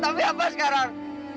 tapi apa sekarang